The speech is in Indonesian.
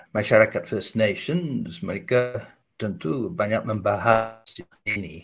masyarakat first nation mereka tentu banyak membahas ini